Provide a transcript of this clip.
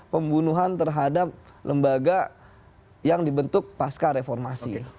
pembunuhan terhadap lembaga yang dibentuk pasca reformasi